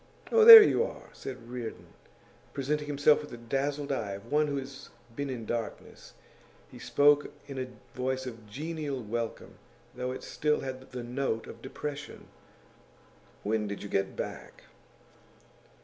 'Oh, there you are!' said Reardon, presenting himself with the dazzled eyes of one who has been in darkness; he spoke in a voice of genial welcome, though it still had the note of depression. 'When did you get back?